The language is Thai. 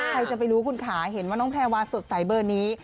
ใครจะไปรู้คุณขาเห็นว่าน้องแพรวาสดใสเบอร์นี้